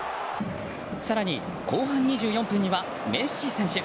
更に、後半２４分にはメッシ選手。